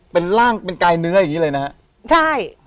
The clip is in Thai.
เป็นร่างเป็นกายเนื้ออย่างนี้เลยนะฮะใช่